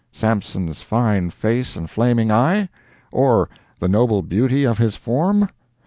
—Sampson's fine face and flaming eye? or the noble beauty of his form?